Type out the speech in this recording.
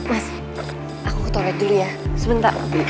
mas aku ke toilet dulu ya sebentar